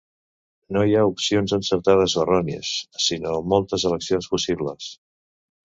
No hi ha opcions encertades o errònies, sinó moltes eleccions possibles.